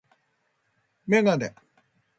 メガネ